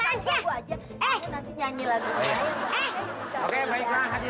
mulainya ini langsung aja ya ya ya loh ada dompet wah ini dia